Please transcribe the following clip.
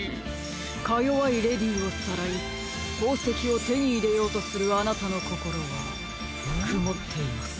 かよわいレディーをさらいほうせきをてにいれようとするあなたのこころはくもっています。